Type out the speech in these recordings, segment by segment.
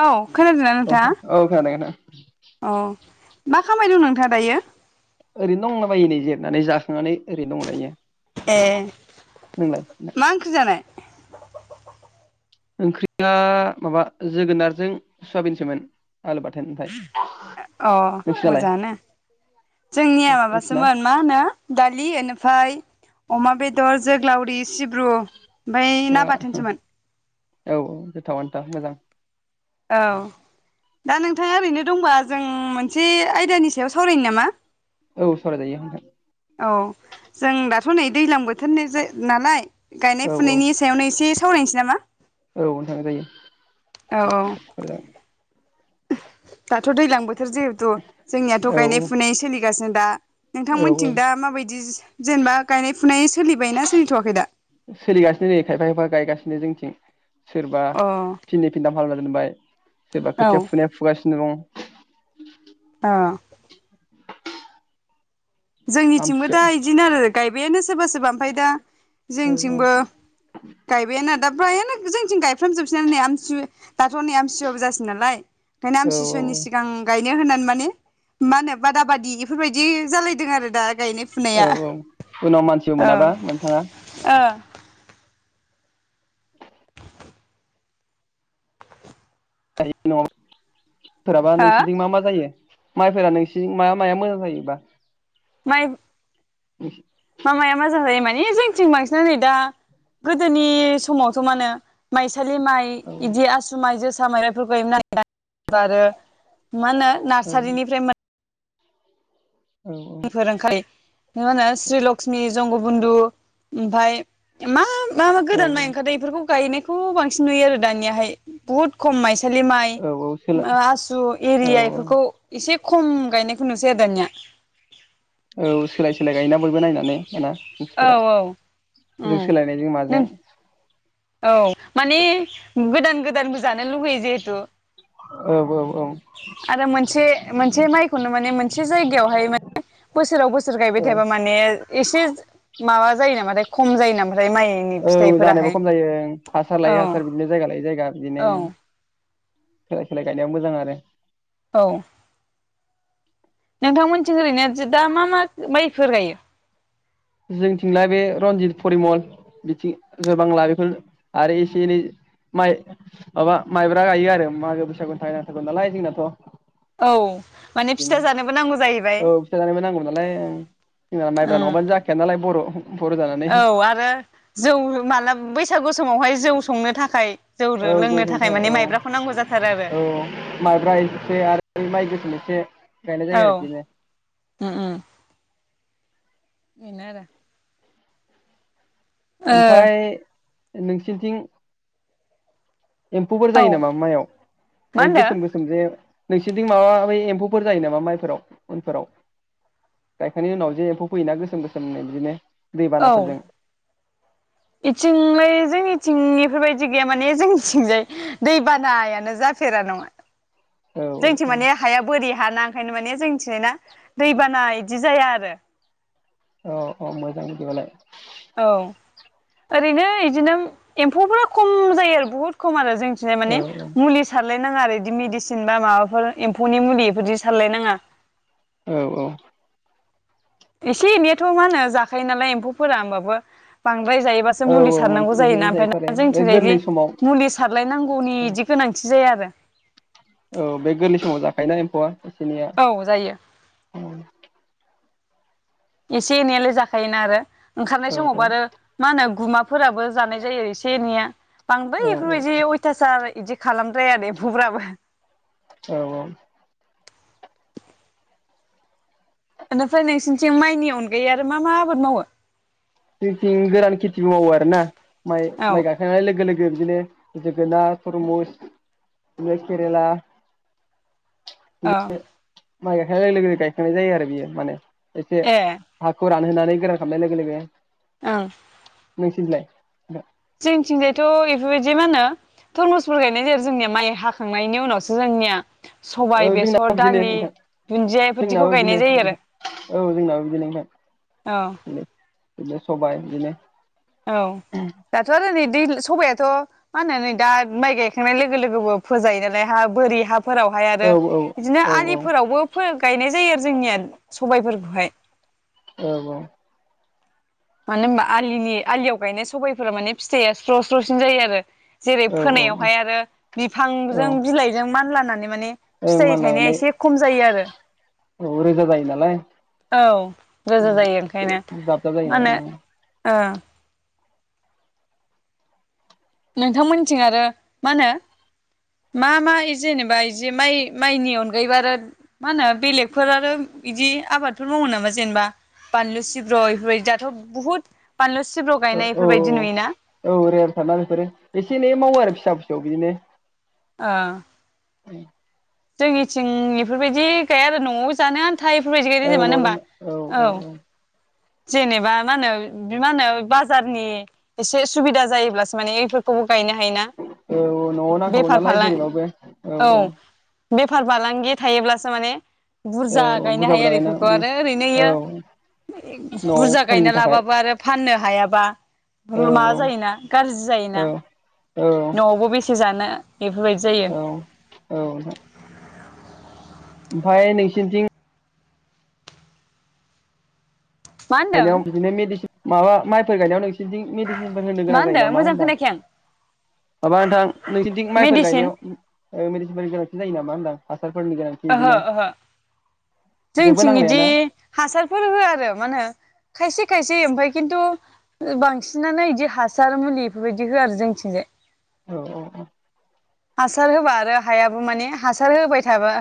औ खोनादोंना नोंथाङा? उम औ मा खामायदोंं नोंथाङा दायो? ओरैनो दंलाबायो नै जिरनानै जाखांनानै। ओरै दं दायो ए नोंलाय? ओ ओंख्रिया माबा जोगोनारजों सवाबिनसोमोन। अ नोंसिनालाय मोजाङानो जोंनिया नोंसिना माबासोमोन मा होनो दालि ओनिफ्राय। अमा बेदर जोग्लावरि सिब ब्रु ओमफ्राय ना बा बाथोनसोमोन। औ औ गोथाव आनोदा मोजां। औ दा नोंथ नोंथाङा ओरैनो दंबा जों मोनसे आयदानि सायाव सावरायनो नामा? औ सावराय जायो। औ जों दाथ' नै दैज्लां बोथोरनि नालाय। औ गायनाय औ फुनायनि सायावनो एसे सावरायनोसै नामा? औ सावराय जायो औ औ दाथो दैलांबो बोथोर जिहेथु जोंनियाथ' औ गायनाय फुनाय सोलिगासिनो दा औ औ नोंथांमोनथिं दा माबायदि जेनेबा गायनाय फुनाय सोलिबाय ना सोलिथ'वाखै दा? नो जोंथिं सोरबा अ फिननै फिनथाम खालामना दोनबाय सोरबा औ खोथिया फुनाया फुगासि मैंगं। आ जोंनिथिंबो दा आमथिसुवायाव इदिनो आरो गाय बेनो सोरबा सोरबा ओमफाय दा औ जोंथिंबो गायबायानो दा फ्रायानो जोंनिथिं गाय फ्रामजोबसिआनो ने आमसु दाथ' नै आमसिुवआबो जासि नालाय ओंखायनो औ औ आमथिसुवानि औ सिगां गाय ने होननानै माने मा ओनो बादा बादि इफोरबायदि जालाय दों आरो दा। औ औ उनाव मानसिबो औ मोनाबा नोंथाङा। [inaudible] थायो न'आव। सोरहाबा हो नोंसोरनिथिं मा मा जायो। माइफोरा नोंसि मा माया मोजां जायोबा? माइ [inaudible] मा माया मोजां जायो माने जोंनिथिं बांसिन आनो नै दा गोदोनि समावथ' मा होनो मायसा थालि माइ औ इदि आसु माइ जोसा [unintelligible] मा ओनो औ नार्सारिनिफ्राय मोन औ फोरोंखाइ मा होनो श्रि लक्ष्मि जंग बन्दु ओमफाय मा मा मा औ गोदान माइ ओंखारदो इफोरखौ गायनायखौ बांसिन नुयो आरो दानियाहाय बुहुत खम माइसि सालि माइ औ औ सोलाय ओ आसु औ एरियाइफोरखौ इसे खम गायनायखौ नुसै आरो दानिया। औ सोलाय सोलाय गायोना बयबो नायनानै दाना। औ मानसिफोरा औ जों उम सोलायनायजों नों माजों औ माने गोदान गोदानबो जानो लुुगैयो जेहेथु औ औ औ आरो मोनसे मोनसे माइखौनो माने मोनसे जायगायावहाय सोराव‌ बो सोर गायबाय औ थायाबा माने इसे माबा जायो नामाथाय खम जायो नामा ओमफ्राय माइनि औ जानायाबो फिथाइफोराहाय। खम जायो हासार लायै औ हासार बिदिनो जायगा लायै जायगा बिदिनो औ सोलाय सोलाय गायनायाव मोजां आरो। औ नोंथांमोनथिं ओरैनो दा मा मा माइफोर गायो? जोंथिंलाय बे रनजित, फरिमल बिथिं जयबांला बेफोर आरो एसे एनै माइ माबा माइब्रा गायो आरो मागो बैसागु थाखाय नांथारगौ नालाय जोंनाथ'। औ माने बिदिनो फिथा जानोबो नांगौ जाहैबाय औ फिथा जानोबो नांगौमोन नालाय जोंना माइब्रा उम नङाबानो जाख [unintelligible] बर' बर' जानानै औ आरो जौ माला बैसागु समावहाय जौ संनो थाखाय जौ औ जौ लोंनो संनो माने थाखाय माइब्राखौ नांगौ जाथारो औ औ माइब्रा एसे आरो माइ गोसोम ए से औ बिनो आरो। ओ ओमफ्राय औ नोंसोरनिथिं एम्फौफोर जायो नामा मायाव मा बै होनदों? गोसोम गोसोम जे नोंसोरनिथिं माबा बै एम्फौफोर जायो नामा माइफोराव उनफोराव गायखांनायनि उनाव जे एम्फौ फैयोना गोसोम गोसोम बिदिनो? औ दैबानाफोरजों इथिंलाय जोंनिथिंनिफोरबायदि गैया माने जोंनिथिंजाय दै बानायानो जाफेरा नङा औ जोंथि माने औ हाया बोरि हा ना। ओंखायनो माने जोंनिथिजायना दैबाना बिदि जाया आरो। अ अ मोजां बिदिबालाय। औ ओरैनो इदिनो एम्फौफो खम जायो आरो बहुट खम आरो जोंनिथिंजाय औ माने मुलि सार रलायनाङा आरो इदि मेदिसिन बा माबाफोर एम्फौनि मुलि इफोरदि सारलायनाङा। औ औ एसे एनैयाथ' मा होनो जाखायो नालाय एम्फौफोरा होमबाबो बां द्राय जायोबासो औ मुलि औ सारनांगौ मोनसे जायोना जायो आरो ओमफ्राय बे जोंनिथिंजायदि गोरलै समाव इदि मुलि सारलायनांगौनि बिदि गोनांथि जाया आरो। औ बे गोरलै समाव जाखायोना एम्फौआ? औ जायो [unintelligible] एसे एनैयालाय जाखायोना आरो। ओंखारनाय औ समावबो आरो मा होनो। गुमाफोराबो जानाय जायो एसे एनैया। [unintelligible] औ इफोरबायदि अयथासार। इदि खालामद्राया एम्फौफ्राबो। औ औ। बेनिफ्राय नोंसिनिथिं माइनि अनगायै आरो मा मा आबाद मावो? जोंथिं गोरान खेथिबो मावो आरो ना। माइ औ माइ गाखांनाय लोगो लोगो। बिबदिनो जोगोनार तरमुस बिनो केरेला। अ। माइ गायखांनाय लोगो लोगो गायखांनाय जायो आरो बियो माने। एसे ए हाखौ रान नोनानै गोरान खालामनाय लोगो लोगो। औ। नोंसिनि लाय नोंथां। जोंथिंजायथ बेफोरबायदि मा होनो थुरमुसफोर गायनाय जाया आरो जोंनिया माइ हाखांनायनि उनावसो जोंनिया। सबाय औ बेसर जोंनाबो बिदिनो दालि नोंथां दुन्दिया बेफोरदिखौ जोंनाबो गायनाय बिदिनो जायो आरो नोंथां औ जोंनाबो बिदिनो नोंथां औ बिनो बिदिनो सबाय बिदिनो। औ दाथ'आरो नै दै। सबायाथ' मा होननानै दा माइ गायखांनाय लोगो लोगोबो फोजायो नालाय हा बोरि हा। फोरावहाय औ आरो बिदिनो औ आलिफोरावबो फोर गायनाय जायो आरो जोंनिया सबायफोरखौहाय। औ औ। मानो होनबा आलिनि आलियाव गायनाय सबायाइफोरा माने फिथाइया स्र' स्र' सिन जायो आरो। जेरै औ फोनायावहाय औ आरो औ बिफांजों बिलाइजों मानला माने ओं फिथाइ थायनाया मानलानानै एसे खम जायो आरो औ रोजा जायो नालाय औ गोजा जायो ओंखायनो। दाब दाब जायो हे नालाय ओ नोंथांमोननिथिं आरो मा होनो मा मा जेनेबा जे माइ माइनि अनगायैबो आरो मा होनो बेलेगफोर आरो इदि आबादफोर मावो नामा जेनेबा बानलु सिब्र' इफोरबायदि दाथ' बुहुद। बानलु सिब्र' ओं गायनाय औ इफोरबायदि नुयोना। औ औ रेयारथारना बेफोरो एसे एनै मावो आरो फिसा फिसौ बिदिनो। ओ [inaudible] जोंनिथिं इफोरबायदि गाया आरो न'आव जानो था एफोरबायदि गायनाय औ जायो मानो न'आव होमबा जानो औ। जेनेबा मा होनो मा होनो बाजारनि एसे सुबिदा जायोब्लासो माने एफोरखौबो। औ न'आव नांखागौ नालाय फालां जेनेबाबो औ औ बेफार फालांगि थायोब्लासो माने बुरजा औ गायनो बुरजा हायो बुरजा आरो गायना बेफोरखौ उम आरो ओरैनो औ इयो न'आव बुरजा गायना सोलिनो थाखाय लाबाबो आरो फाननो नो हायाबा औ र माबा औ जायोना गाज्रि जायोना औ औ न'आवबो बेसे जान नो औ औ ओमफाय नोंसिनिथिं मा [unintelligible] होनदों बिदिनो मेदिसिन। माबा माइफोर गायनायाव नोंस नोंसिनिथिं मेडिसिन बानायनो मा गोनां जायो होनदों नामा मोजां होनदां खोनायाखै आं माबा नोंथां नोंसिनिथिं माइफोर मेडिसिन गायनायाव ओ मेडिसनफोरनि गोनांथि जायो नामा होनदां आ ओहो ओहो जेबो जोंथिं इदि नांलायाना हासारफोर होया आरो मा होनो खायसे खायसे होयो ओमफाय खिन्थु बांसिनानो इदि हासार मुलि बेफोरबायदि होआ आरो जोंथिंजाय औ औ औ हासार होबा आरो हायाबो माने हासार होबाय थाबा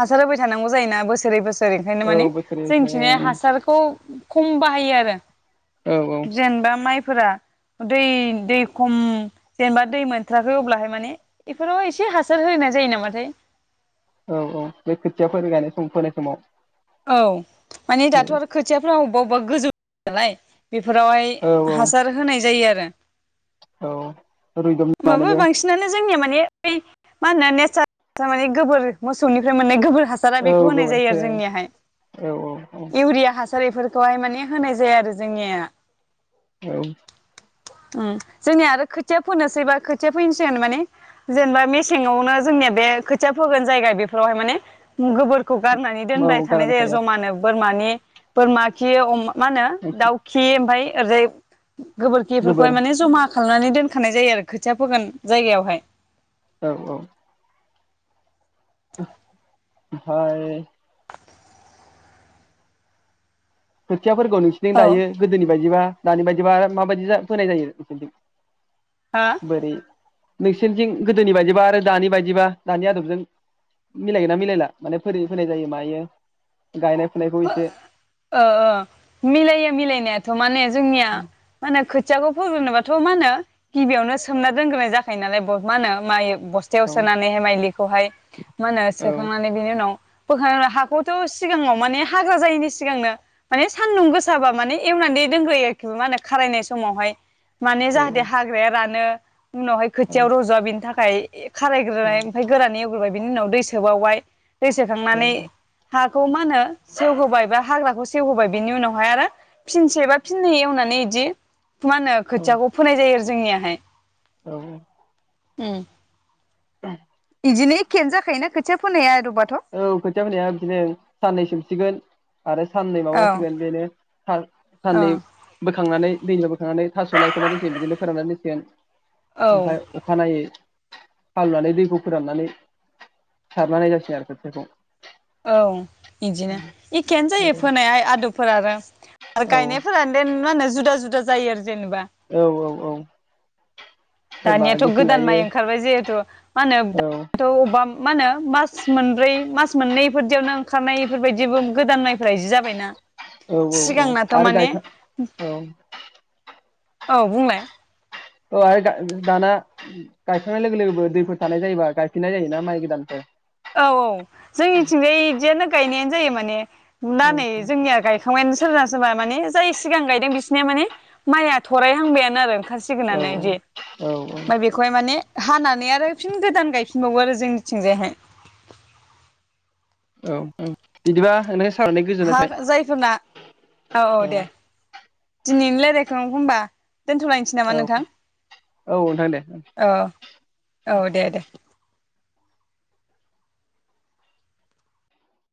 हासार होबाय थानांगौ जायोना बोसोरै बोसो सोर एखायनो माने औ बोसोरै जोंनिथिनिया हासारखौ खम बाहायो आरो औ औ जेनबा माइ फोरा दै दै खम जेनेबा दै मोनथाराखै अब्लाहाय माने बेफोराव एसे हासार होनाय जायो नामाथाय औ औ बे खोथियाफोर गायनाय सम फोनाय समाव औ माने दाथ आरो खोथियाफोराव अबबा गोजौ नालाय बेफोरावहाय औ हासार होनाय जायो आरो औ रुइदब होमबाबो मानोबो बांसिनानो जोंनिया माने बे मा होनो नेचार माने गोबोर मोसौनिफ्राय मोननाय गोबोर हासारा बेखौ होनाय जायो गोबोरखो आरो जोंनियाहाय औ औ औ इउरिया हासार एफोरखौहाय माने होनाय जाया आरो जोंनिया औ उम जोंनिया आरो खोथिया फोनोसै बा खोथिया फैनोसै माने जेनेबा मेसेंआवनो जोंनिया बे खोथिया फोगोन जायगा बेफोरावहाय माने गोबोर खौ गारनानै औ दोनबाय गारा थांनाय जाखाया जायो आरो। बोरमानि बोरमा खि अमा। मा होनो दाउखि ओमफाय। ओदै। गोबोरखिफोरखौहाय गोबोर माने जमा खालामनानै दोन। खानाय जायो आरो खोथिया फोगोन जायगायावहाय। औ -औ।। हाय खोथियाफोरखौ नोंसिनि औ दायो गोदोनि बायदिबा दानि बायदिबा माबायदि जा फोनाय जायो नों सोरबिथिं। हा बोरै नोंसोरनिथिं गोदोनि बायदिबा आरो दानि बायदिबा दानि आदबजों मिलायगोना- मिलायला माने बोरै फैानाय जायो मायो। गायनाय फुनायखौ इसे अ ओ मिलायो मिलायनायाथ' माने। जोंनिया माने खोथि खोथियाखौ फोग्रोननोबाथ' मा होनो गिबियावनो सोमना रोंग्रोनाय जाखायो नालाय मा होनो मायो बस्थायाव औ सोनानै हाय मायलि खौहाय मा होनो औ सोखांनानै बिनि उनाव फोग्रा हाखौथ' सिगाङाव माने हाग्रा जायिनि सिगांनो माने सान्दुं गोसाबा माने एवनानै दोनग्रोयो आरोखि मा होनो खारायनाय समावहाय माने औ जाहाथे हाग्राया रानो उनावहाय औ खोथियायाव रज'वा बेनि थाखाय ओमफ्राय खारायग्रोनाय ओमफफ्राय गोरानै बाय बिनि उनाव दै सोबावबाय दै सोखांनानै हा खौ मा होनो सेवहोबाय बा हाग्राखौ सेवहोबाय बिनि उनावहाय आरो फिनसे बा फिननै एवनानै एदि मा होनो औ खोथियाखौ फोनाय जायो आरो जोंनियाहाय। औ। अम। [unintelligible] बिदिनो ऐकके आनो जाखायो ना खोथिया फोननाया आरो औ खोथिया फोनाया बिदिनो साननै सोमसिगोन आरो साननै औ माबासिगोन बेनो सान- औ साननै बोखांनानै दैनिफाय बोखांनानै थास' लायहोनानै बिदिनो दसै बिदिनो फोराननानै औ दोनसिगोन ओमफ्राय अखानायै फालनानै दैखौ फोराननानै सारनानै जासिगोन आरो बेखौ औ इदिनो एखेयानो जायो फोनायाहाय आदब फोर आरो आरो औ गायनायफोरानदेन मा होनो जुदा जुदा जायो आरो जेनेबा औ औ औ सोरबा दानियाथ' गेसें गोदान गायो माइ ओंखारबाय जिहेथु मा औ होनो [unintelligible] ओ मा होनो मास मोनब्रै मास मोननैफोरदियावनो ओंखारनाय इफोरबायदियावबो गोदान माइफोरा इदि जाबायना औ औ औ सिगांनाथ' आरो माने गायखा औ औ बुंलाय औ आरो दा-दाना गायखांनाय लोगो लोगो दैफोर थानाय जायोबा गायफिननाय जायोना माइ गोदानफोर औ औ जोंनिथिंजाय इदियानो गायनायानो जायो माने दा औ नै जोंनिया गायखांबायानो सोरबा सोरबा माने जाय सिगां गायदों बिसिनिया माने माइया थरायहांबायानो आरो ओंखारसिगोनानो इदि औ औ ओमफाय बेखौहाय माने हानानै आरो फिन गोदान गायफिनबावो आरो जोंनिथिंजायहाय औ औ बिदिबा [unintelligible] हा जायफोरना औ औ थाबाय दे दिनैनो लायरायखो होमबा दोनथ'लायनोसै नामा औ नोंथां औ नोंथां दे औ औ औ दे दे